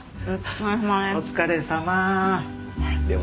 お疲れさまです。